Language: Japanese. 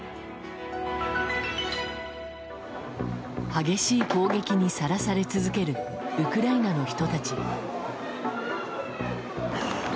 激しい攻撃にさらされ続けるウクライナの人たち。